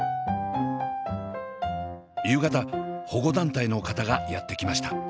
夕方保護団体の方がやって来ました。